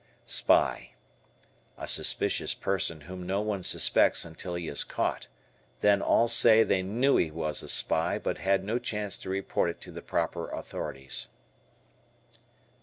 Spy. A suspicious person whom no one suspects until he is caught. Then all say they knew he was a spy but had no chance to report it to the proper authorities.